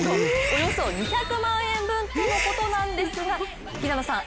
およそ２００万円分とのことなんですが平野さん